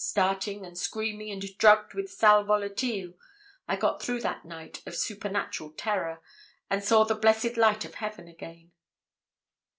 Starting and screaming, and drugged with sal volatile, I got through that night of supernatural terror, and saw the blessed light of heaven again.